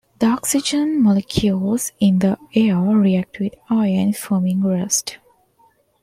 The oxygen molecules in the air react with iron, forming rust.